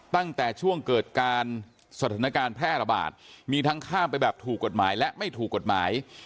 ตั้งแต่ช่วงเกิดการสถานการณ์แพร่ระบาดมีทั้งข้ามไปแบบถูกกฎหมายและไม่ถูกกฎหมาย